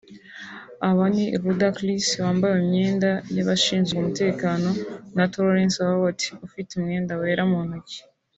Aba ni Ludacris (wambaye imyenda y'abashinzwe umutekano) na Terrence Howard (ufite umwenda wera mu ntoki)